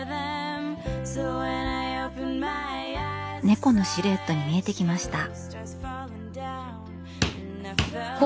猫のシルエットに見えてきました。